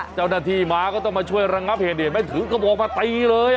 เจ้านาธิมาตั้งมาช่วยรำงับเหตุเองไม่ถือกระบวงมาตีเลย